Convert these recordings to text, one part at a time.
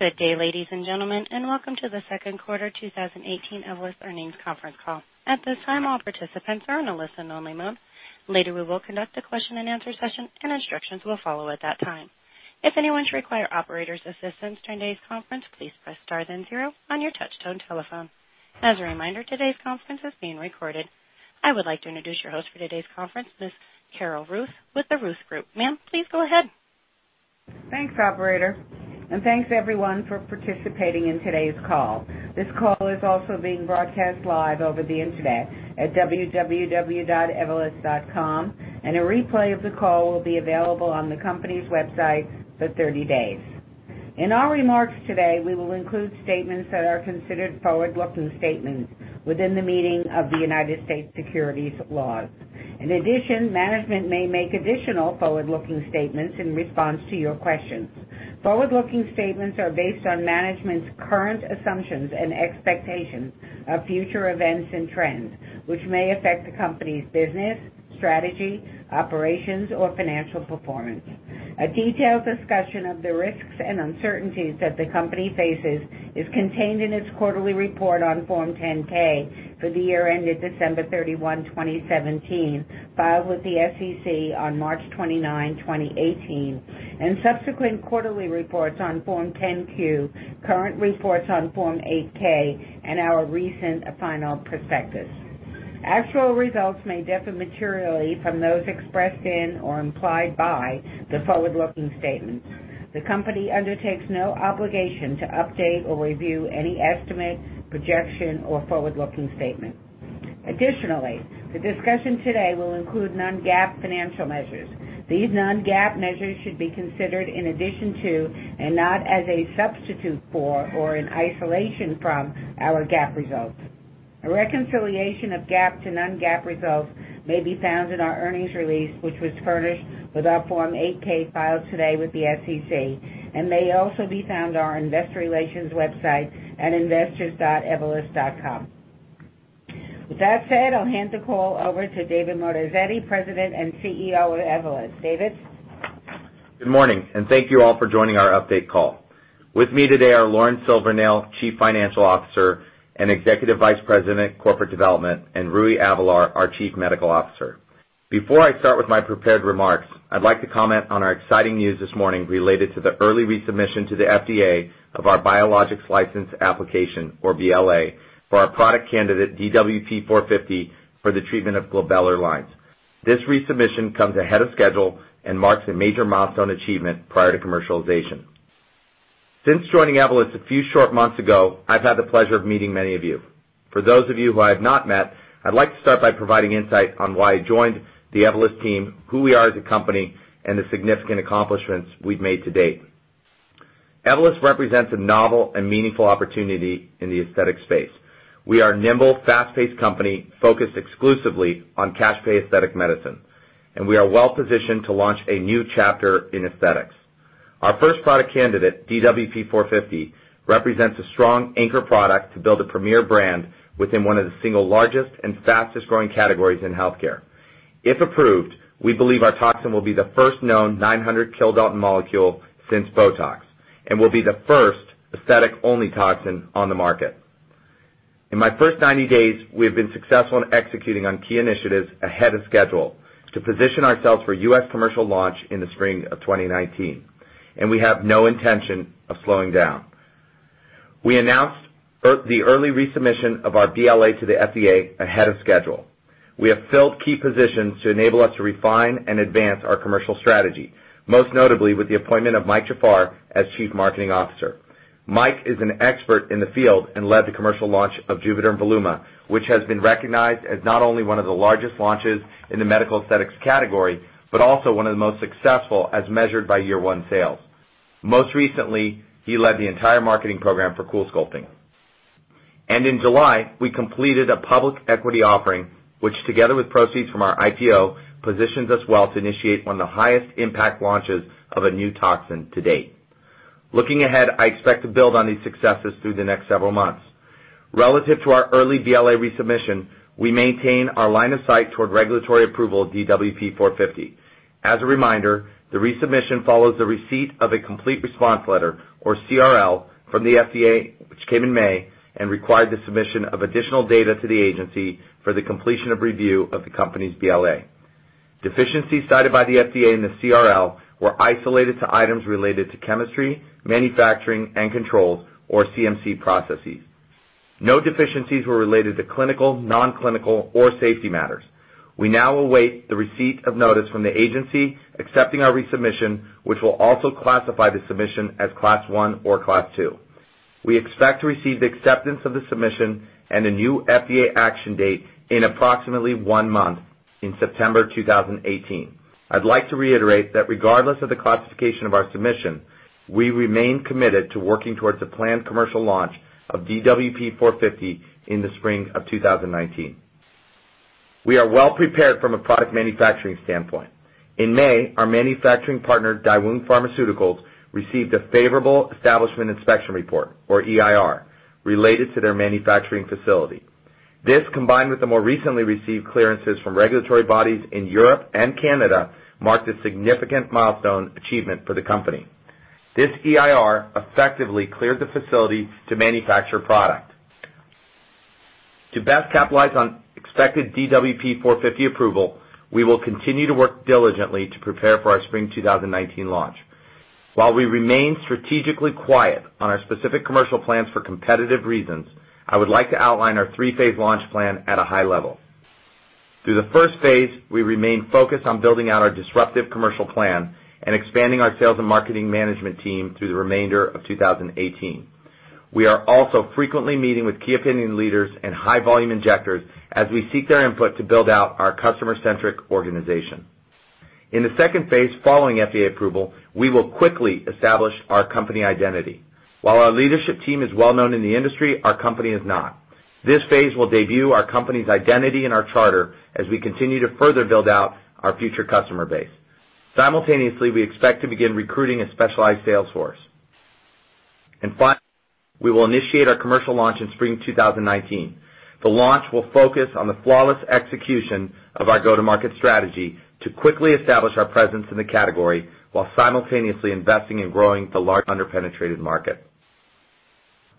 Good day, ladies and gentlemen. Welcome to the second quarter 2018 Evolus earnings conference call. At this time, all participants are in a listen only mode. Later, we will conduct a question and answer session, and instructions will follow at that time. If anyone requires the operator's assistance during today's conference, please press star then zero on your touchtone telephone. As a reminder, today's conference is being recorded. I would like to introduce your host for today's conference, Ms. Carol Ruth, with The Ruth Group. Ma'am, please go ahead. Thanks, operator, and thanks everyone for participating in today's call. This call is also being broadcast live over the internet at www.evolus.com, and a replay of the call will be available on the company's website for 30 days. In our remarks today, we will include statements that are considered forward-looking statements within the meaning of the U.S. securities laws. In addition, management may make additional forward-looking statements in response to your questions. Forward-looking statements are based on management's current assumptions and expectations of future events and trends, which may affect the company's business, strategy, operations, or financial performance. A detailed discussion of the risks and uncertainties that the company faces is contained in its quarterly report on Form 10-K for the year ended December 31, 2017, filed with the SEC on March 29, 2018, and subsequent quarterly reports on Form 10-Q, current reports on Form 8-K, and our recent final prospectus. Actual results may differ materially from those expressed in or implied by the forward-looking statements. The company undertakes no obligation to update or review any estimate, projection, or forward-looking statement. Additionally, the discussion today will include non-GAAP financial measures. These non-GAAP measures should be considered in addition to, and not as a substitute for or in isolation from, our GAAP results. A reconciliation of GAAP to non-GAAP results may be found in our earnings release, which was furnished with our Form 8-K filed today with the SEC, and may also be found on our investor relations website at investors.evolus.com. With that said, I'll hand the call over to David Moatazedi, President and Chief Executive Officer of Evolus. David? Good morning, thank you all for joining our update call. With me today are Lauren Silvernail, Chief Financial Officer and Executive Vice President, Corporate Development, and Rui Avelar, our Chief Medical Officer. Before I start with my prepared remarks, I'd like to comment on our exciting news this morning related to the early resubmission to the FDA of our Biologics License Application, or BLA, for our product candidate, DWP-450, for the treatment of glabellar lines. This resubmission comes ahead of schedule and marks a major milestone achievement prior to commercialization. Since joining Evolus a few short months ago, I've had the pleasure of meeting many of you. For those of you who I have not met, I'd like to start by providing insight on why I joined the Evolus team, who we are as a company, and the significant accomplishments we've made to date. Evolus represents a novel and meaningful opportunity in the aesthetic space. We are a nimble, fast-paced company focused exclusively on cash pay aesthetic medicine, and we are well-positioned to launch a new chapter in aesthetics. Our first product candidate, DWP-450, represents a strong anchor product to build a premier brand within one of the single largest and fastest-growing categories in healthcare. If approved, we believe our toxin will be the first known 900 kilodalton molecule since BOTOX and will be the first aesthetic-only toxin on the market. In my first 90 days, we have been successful in executing on key initiatives ahead of schedule to position ourselves for U.S. commercial launch in the spring of 2019, and we have no intention of slowing down. We announced the early resubmission of our BLA to the FDA ahead of schedule. We have filled key positions to enable us to refine and advance our commercial strategy, most notably with the appointment of Mike Jafar as Chief Marketing Officer. Mike is an expert in the field and led the commercial launch of JUVÉDERM VOLUMA XC, which has been recognized as not only one of the largest launches in the medical aesthetics category, but also one of the most successful as measured by year one sales. Most recently, he led the entire marketing program for CoolSculpting. In July, we completed a public equity offering, which, together with proceeds from our IPO, positions us well to initiate one of the highest impact launches of a new toxin to date. Looking ahead, I expect to build on these successes through the next several months. Relative to our early BLA resubmission, we maintain our line of sight toward regulatory approval of DWP-450. As a reminder, the resubmission follows the receipt of a Complete Response Letter, or CRL, from the FDA, which came in May and required the submission of additional data to the agency for the completion of review of the company's BLA. Deficiencies cited by the FDA in the CRL were isolated to items related to Chemistry, Manufacturing, and Controls, or CMC processes. No deficiencies were related to clinical, non-clinical, or safety matters. We now await the receipt of notice from the agency accepting our resubmission, which will also classify the submission as Class 1 or Class 2. We expect to receive the acceptance of the submission and a new FDA action date in approximately one month, in September 2018. I'd like to reiterate that regardless of the classification of our submission, we remain committed to working towards the planned commercial launch of DWP-450 in the spring of 2019. We are well-prepared from a product manufacturing standpoint. In May, our manufacturing partner, Daewoong Pharmaceutical, received a favorable establishment inspection report, or EIR, related to their manufacturing facility. This, combined with the more recently received clearances from regulatory bodies in Europe and Canada, marked a significant milestone achievement for the company. This EIR effectively cleared the facility to manufacture product. To best capitalize on expected DWP-450 approval, we will continue to work diligently to prepare for our spring 2019 launch. While we remain strategically quiet on our specific commercial plans for competitive reasons, I would like to outline our three-phase launch plan at a high level. Through the first phase, we remain focused on building out our disruptive commercial plan and expanding our sales and marketing management team through the remainder of 2018. We are also frequently meeting with key opinion leaders and high-volume injectors as we seek their input to build out our customer-centric organization. In the second phase, following FDA approval, we will quickly establish our company identity. While our leadership team is well-known in the industry, our company is not. This phase will debut our company's identity and our charter as we continue to further build out our future customer base. Simultaneously, we expect to begin recruiting a specialized sales force. Finally, we will initiate our commercial launch in spring 2019. The launch will focus on the flawless execution of our go-to-market strategy to quickly establish our presence in the category while simultaneously investing and growing the large under-penetrated market.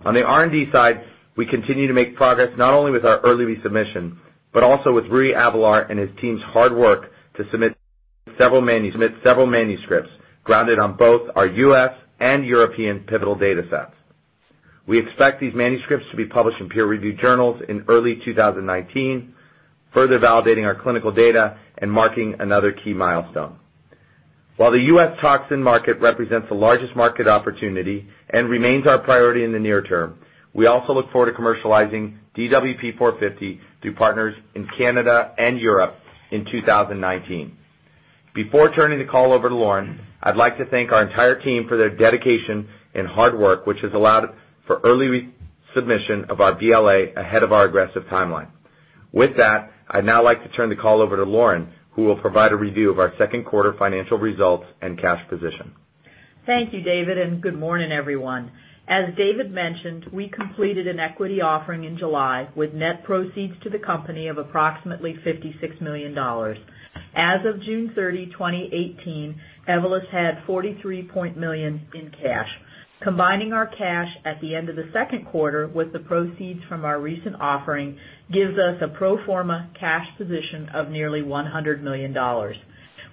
On the R&D side, we continue to make progress not only with our early resubmission, but also with Rui Avelar and his team's hard work to submit several manuscripts grounded on both our U.S. and European pivotal data sets. We expect these manuscripts to be published in peer-reviewed journals in early 2019, further validating our clinical data and marking another key milestone. While the U.S. toxin market represents the largest market opportunity and remains our priority in the near term, we also look forward to commercializing DWP-450 through partners in Canada and Europe in 2019. Before turning the call over to Lauren, I'd like to thank our entire team for their dedication and hard work, which has allowed for early resubmission of our BLA ahead of our aggressive timeline. With that, I'd now like to turn the call over to Lauren, who will provide a review of our second quarter financial results and cash position. Thank you, David, and good morning, everyone. As David mentioned, we completed an equity offering in July with net proceeds to the company of approximately $56 million. As of June 30, 2018, Evolus had $43 million in cash. Combining our cash at the end of the second quarter with the proceeds from our recent offering gives us a pro forma cash position of nearly $100 million.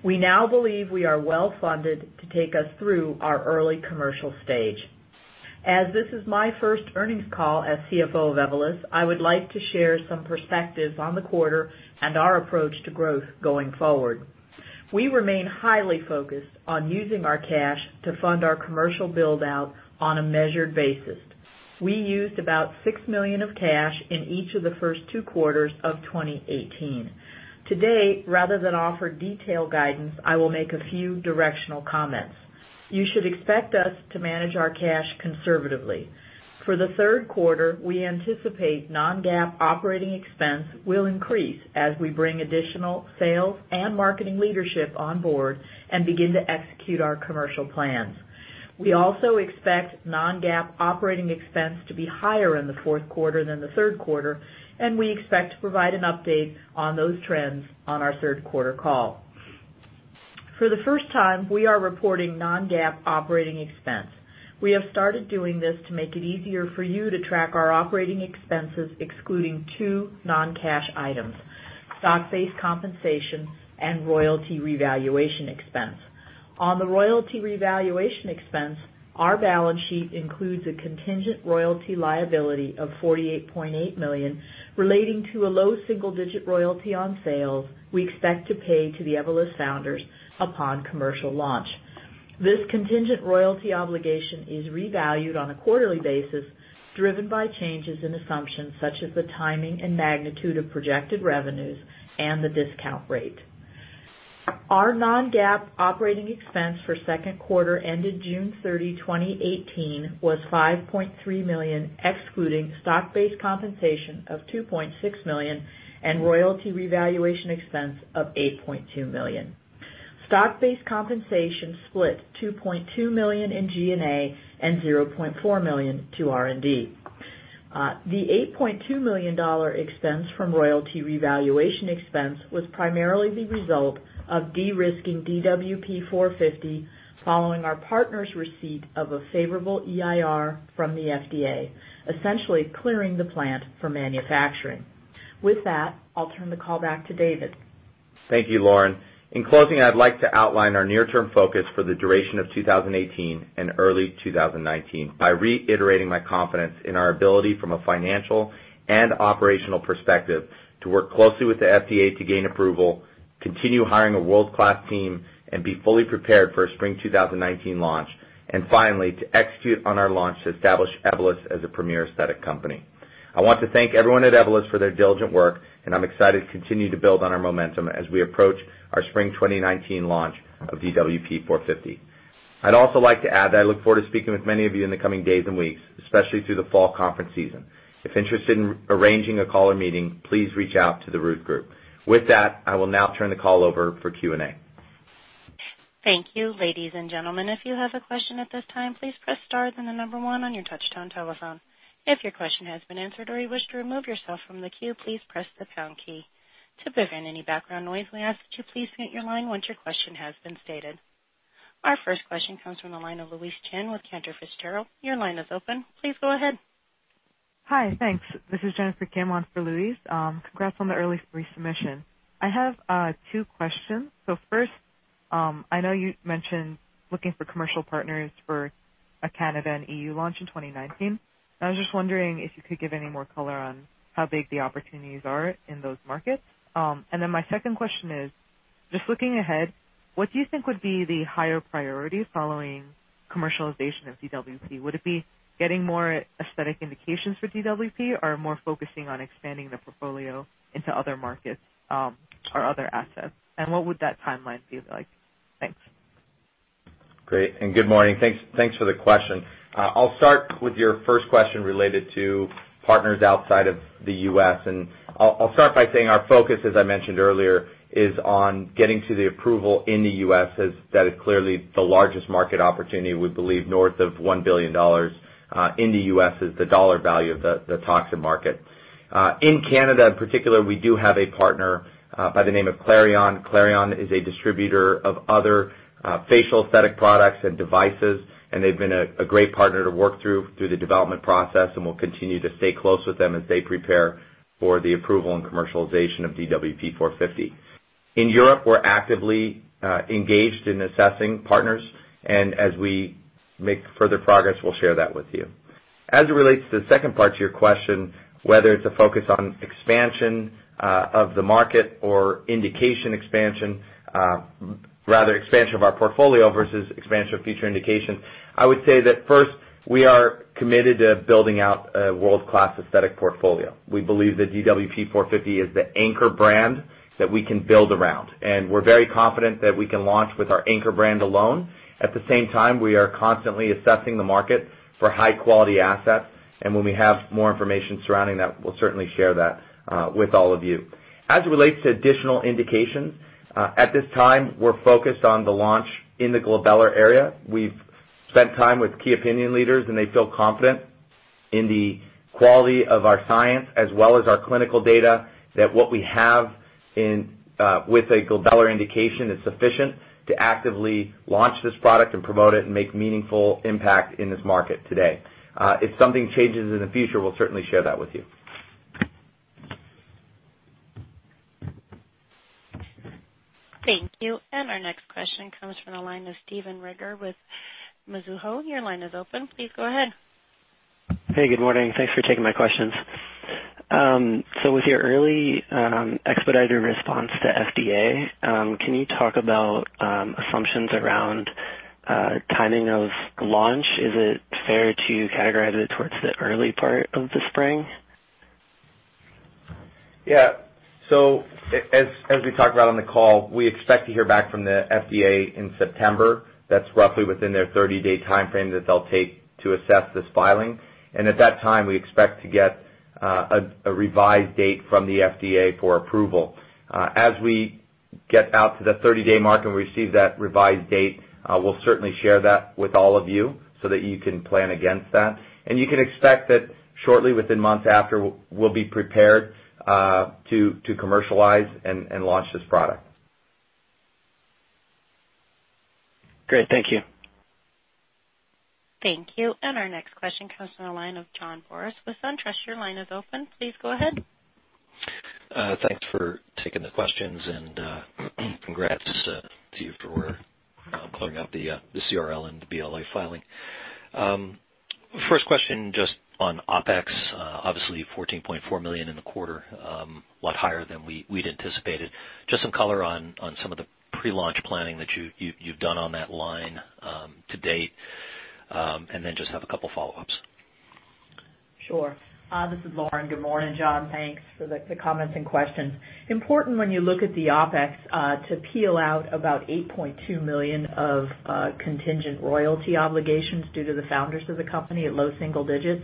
We now believe we are well-funded to take us through our early commercial stage. As this is my first earnings call as CFO of Evolus, I would like to share some perspectives on the quarter and our approach to growth going forward. We used about $6 million of cash in each of the first two quarters of 2018. To date, rather than offer detailed guidance, I will make a few directional comments. You should expect us to manage our cash conservatively. For the third quarter, we anticipate non-GAAP operating expense will increase as we bring additional sales and marketing leadership on board and begin to execute our commercial plans. We also expect non-GAAP operating expense to be higher in the fourth quarter than the third quarter, and we expect to provide an update on those trends on our third quarter call. For the first time, we are reporting non-GAAP operating expense. We have started doing this to make it easier for you to track our operating expenses, excluding two non-cash items: stock-based compensation and royalty revaluation expense. On the royalty revaluation expense, our balance sheet includes a contingent royalty liability of $48.8 million relating to a low single-digit royalty on sales we expect to pay to the Evolus founders upon commercial launch. This contingent royalty obligation is revalued on a quarterly basis, driven by changes in assumptions such as the timing and magnitude of projected revenues and the discount rate. Our non-GAAP operating expense for second quarter ended June 30, 2018, was $5.3 million, excluding stock-based compensation of $2.6 million and royalty revaluation expense of $8.2 million. Stock-based compensation split $2.2 million in G&A and $0.4 million to R&D. The $8.2 million expense from royalty revaluation expense was primarily the result of de-risking DWP-450 following our partner's receipt of a favorable EIR from the FDA, essentially clearing the plant for manufacturing. With that, I'll turn the call back to David. Thank you, Lauren. In closing, I'd like to outline our near-term focus for the duration of 2018 and early 2019 by reiterating my confidence in our ability from a financial and operational perspective to work closely with the FDA to gain approval, continue hiring a world-class team, and be fully prepared for a spring 2019 launch. Finally, to execute on our launch to establish Evolus as a premier aesthetic company. I want to thank everyone at Evolus for their diligent work, and I'm excited to continue to build on our momentum as we approach our spring 2019 launch of DWP-450. I'd also like to add that I look forward to speaking with many of you in the coming days and weeks, especially through the fall conference season. If interested in arranging a call or meeting, please reach out to the Ruth Group. With that, I will now turn the call over for Q&A. Thank you. Ladies and gentlemen, if you have a question at this time, please press star, then the number one on your touchtone telephone. If your question has been answered or you wish to remove yourself from the queue, please press the pound key. To prevent any background noise, we ask that you please mute your line once your question has been stated. Our first question comes from the line of Louise Chen with Cantor Fitzgerald. Your line is open. Please go ahead. Hi. Thanks. This is Jennifer Kim for Louise. Congrats on the early resubmission. I have two questions. First, I know you mentioned looking for commercial partners for a Canada and EU launch in 2019, and I was just wondering if you could give any more color on how big the opportunities are in those markets. My second question is, just looking ahead, what do you think would be the higher priority following commercialization of DWP? Would it be getting more aesthetic indications for DWP, or more focusing on expanding the portfolio into other markets, or other assets? What would that timeline be like? Thanks. Great. Good morning. Thanks for the question. I'll start with your first question related to partners outside of the U.S. I'll start by saying our focus, as I mentioned earlier, is on getting to the approval in the U.S., as that is clearly the largest market opportunity. We believe north of $1 billion in the U.S. is the dollar value of the toxin market. In Canada in particular, we do have a partner by the name of Clarion. Clarion is a distributor of other facial aesthetic products and devices, and they've been a great partner to work through the development process, and we'll continue to stay close with them as they prepare for the approval and commercialization of DWP 450. In Europe, we're actively engaged in assessing partners, as we make further progress, we'll share that with you. As it relates to the second part to your question, whether it's a focus on expansion of the market or indication expansion, rather, expansion of our portfolio versus expansion of future indication, I would say that first, we are committed to building out a world-class aesthetic portfolio. We believe that DWP-450 is the anchor brand that we can build around, and we're very confident that we can launch with our anchor brand alone. At the same time, we are constantly assessing the market for high-quality assets, and when we have more information surrounding that, we'll certainly share that with all of you. As it relates to additional indications, at this time, we're focused on the launch in the glabellar area. We've spent time with key opinion leaders. They feel confident in the quality of our science as well as our clinical data, that what we have with a glabellar indication is sufficient to actively launch this product and promote it and make meaningful impact in this market today. If something changes in the future, we'll certainly share that with you. Thank you. Our next question comes from the line of Steven Teaford with Mizuho. Your line is open. Please go ahead. Hey, good morning. Thanks for taking my questions. With your early expedited response to FDA, can you talk about assumptions around timing of launch? Is it fair to categorize it towards the early part of the spring? Yeah. As we talked about on the call, we expect to hear back from the FDA in September. That's roughly within their 30-day timeframe that they'll take to assess this filing. At that time, we expect to get a revised date from the FDA for approval. As we get out to the 30-day mark and we receive that revised date, we'll certainly share that with all of you so that you can plan against that. You can expect that shortly, within months after, we'll be prepared to commercialize and launch this product. Great. Thank you. Thank you. Our next question comes from the line of John Boris with SunTrust. Your line is open. Please go ahead. Thanks for taking the questions and congrats to you for closing out the CRL and the BLA filing. First question, just on OpEx, obviously $14.4 million in the quarter, a lot higher than we'd anticipated. Just some color on some of the pre-launch planning that you've done on that line to date. Then just have a couple follow-ups. Sure. This is Lauren. Good morning, John. Thanks for the comments and questions. Important when you look at the OpEx to peel out about $8.2 million of contingent royalty obligations due to the founders of the company at low single digits.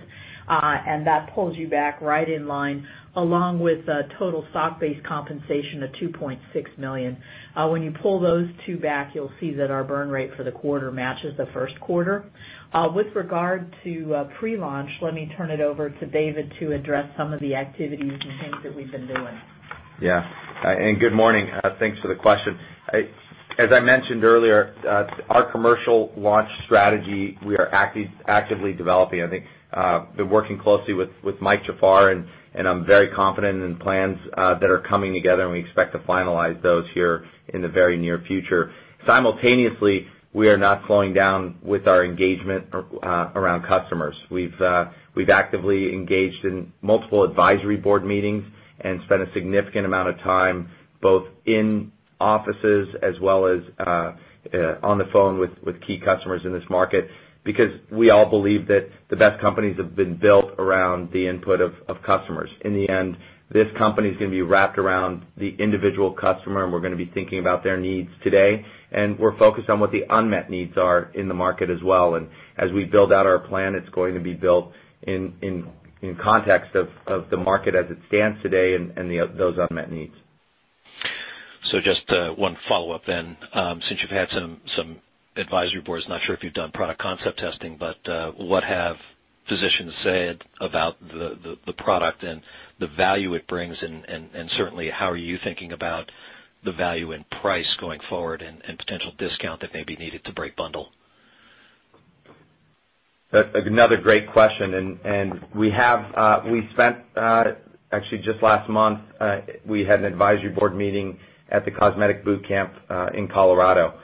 That pulls you back right in line, along with total stock-based compensation of $2.6 million. When you pull those two back, you'll see that our burn rate for the quarter matches the first quarter. With regard to pre-launch, let me turn it over to David to address some of the activities and things that we've been doing. Good morning. Thanks for the question. As I mentioned earlier, our commercial launch strategy we are actively developing. I think I've been working closely with Michael Jafar, I'm very confident in plans that are coming together, we expect to finalize those here in the very near future. Simultaneously, we are not slowing down with our engagement around customers. We've actively engaged in multiple advisory board meetings and spent a significant amount of time both in offices as well as on the phone with key customers in this market because we all believe that the best companies have been built around the input of customers. In the end, this company's going to be wrapped around the individual customer, we're going to be thinking about their needs today. We're focused on what the unmet needs are in the market as well. As we build out our plan, it's going to be built in context of the market as it stands today and those unmet needs. Just one follow-up then. Since you've had some advisory boards, not sure if you've done product concept testing, what have physicians said about the product and the value it brings? Certainly, how are you thinking about the value and price going forward and potential discount that may be needed to break bundle? Actually, that's another great question. Just last month, we had an advisory board meeting at the Cosmetic Bootcamp in Colorado.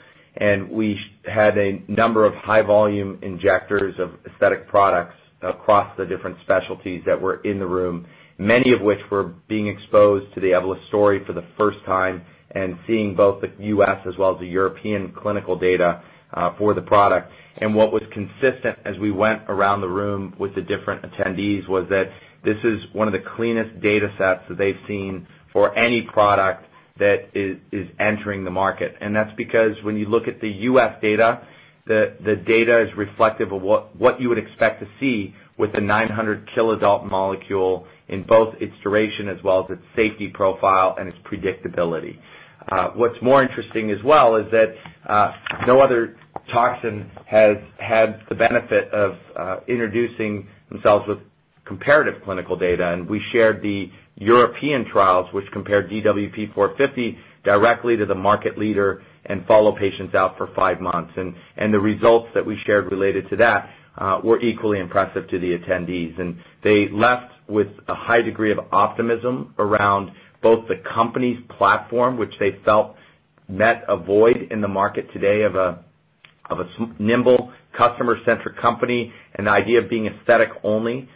We had a number of high volume injectors of aesthetic products across the different specialties that were in the room, many of which were being exposed to the Evolus story for the first time, seeing both the U.S. as well as the European clinical data for the product. What was consistent as we went around the room with the different attendees was that this is one of the cleanest data sets that they've seen for any product that is entering the market. That's because when you look at the U.S. data, the data is reflective of what you would expect to see with a 900 kilodalton molecule in both its duration as well as its safety profile and its predictability. What's more interesting as well is that no other toxin has had the benefit of introducing themselves with comparative clinical data, we shared the European trials, which compared DWP-450 directly to the market leader and follow patients out for 5 months. The results that we shared related to that were equally impressive to the attendees. They left with a high degree of optimism around both the company's platform, which they felt met a void in the market today of a nimble, customer-centric company. The idea of being aesthetic only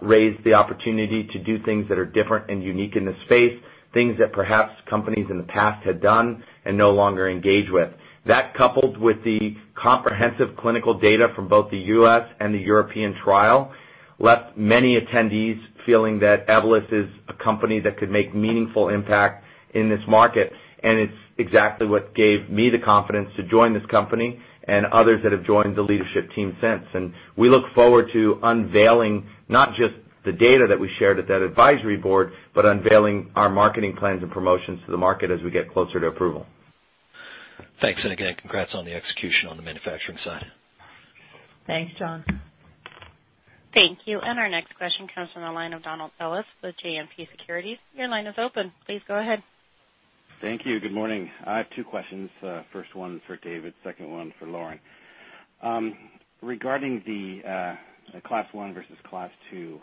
raised the opportunity to do things that are different and unique in this space, things that perhaps companies in the past had done and no longer engage with. That coupled with the comprehensive clinical data from both the U.S. and the European trial, left many attendees feeling that Evolus is a company that could make meaningful impact in this market. It's exactly what gave me the confidence to join this company and others that have joined the leadership team since. We look forward to unveiling not just the data that we shared at that advisory board, but unveiling our marketing plans and promotions to the market as we get closer to approval. Thanks, again, congrats on the execution on the manufacturing side. Thanks, John. Thank you. Our next question comes from the line of Donald Ellis with JMP Securities. Your line is open. Please go ahead. Thank you. Good morning. I have two questions. First one is for David, second one for Lauren. Regarding the Class 1 versus Class 2,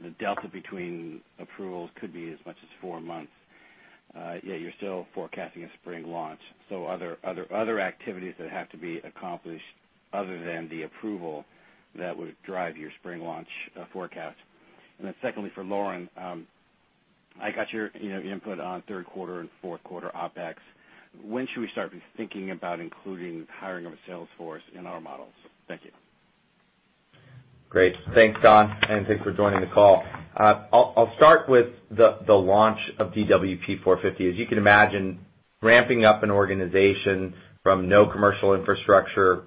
the delta between approvals could be as much as four months. You're still forecasting a spring launch. Are there other activities that have to be accomplished other than the approval that would drive your spring launch forecast? Secondly, for Lauren, I got your input on third quarter and fourth quarter OpEx. When should we start thinking about including hiring of a sales force in our models? Thank you. Great. Thanks, Don, and thanks for joining the call. I'll start with the launch of DWP-450. As you can imagine, ramping up an organization from no commercial infrastructure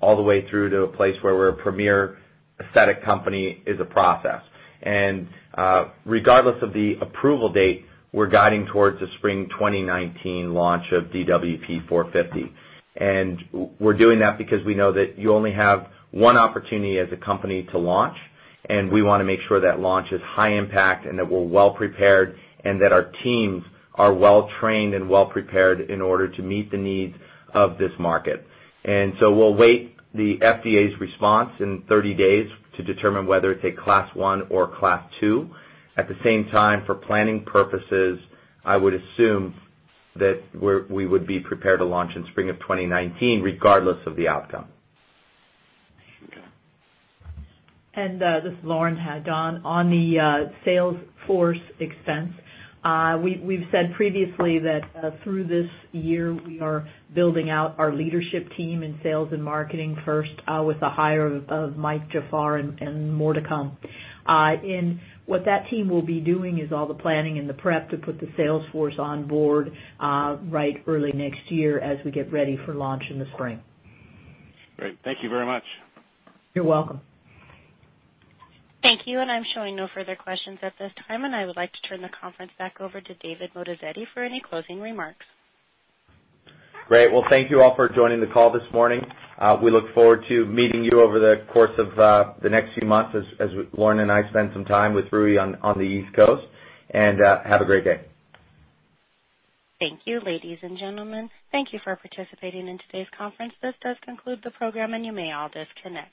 all the way through to a place where we're a premier aesthetic company is a process. Regardless of the approval date, we're guiding towards a spring 2019 launch of DWP-450. We're doing that because we know that you only have one opportunity as a company to launch, and we want to make sure that launch is high impact and that we're well-prepared, and that our teams are well-trained and well-prepared in order to meet the needs of this market. We'll wait the FDA's response in 30 days to determine whether it's a Class 1 or Class 2. At the same time, for planning purposes, I would assume that we would be prepared to launch in spring of 2019, regardless of the outcome. This is Lauren. Hi, Don. On the sales force expense, we've said previously that through this year, we are building out our leadership team in sales and marketing first with the hire of Mike Jafar and more to come. What that team will be doing is all the planning and the prep to put the sales force on board right early next year as we get ready for launch in the spring. Great. Thank you very much. You're welcome. Thank you. I'm showing no further questions at this time, and I would like to turn the conference back over to David Moatazedi for any closing remarks. Great. Well, thank you all for joining the call this morning. We look forward to meeting you over the course of the next few months as Lauren Silvernail and I spend some time with Rui Avelar on the East Coast. Have a great day. Thank you, ladies and gentlemen. Thank you for participating in today's conference. This does conclude the program, and you may all disconnect.